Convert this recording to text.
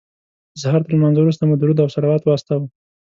د سهار تر لمانځه وروسته مو درود او صلوات واستاوه.